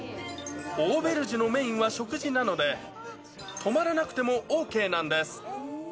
オーベルジュのメインは食事なので、泊まらなくてもＯＫなんです。